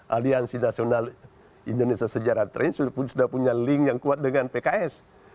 aliansi nasional indonesia sejarah tren sudah punya link yang kuat dengan pks